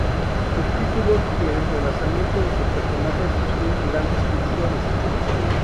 Sus títulos y el entrelazamiento de sus personajes sugieren grandes ambiciones.